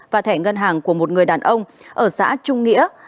và thẻ ngân hàng của một người đàn ông ở xã trung nghĩa